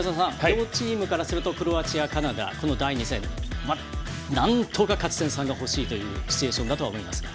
両チームからするとクロアチア対カナダこの第２戦、なんとか勝ち点３が欲しいというシチュエーションだと思いますが。